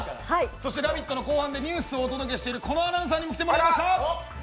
そして「ラヴィット！」の後半でニュースをお届けしているこのアナウンサーにも来ていただきました。